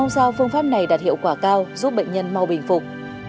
giao phương pháp này đạt hiệu quả cao giúp bệnh nhân mau bình phục